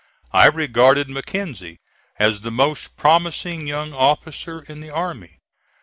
I regarded Mackenzie as the most promising young officer in the army.